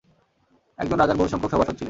একজন রাজার বহুসংখ্যক সভাসদ ছিলেন।